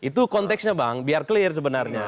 itu konteksnya bang biar clear sebenarnya